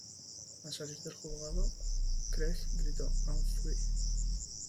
Al salir del juzgado, Craig grito "I'm free!!!